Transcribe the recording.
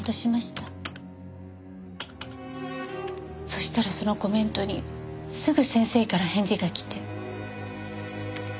そしたらそのコメントにすぐ先生から返事が来て。